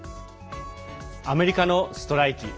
アメリカのストライキ。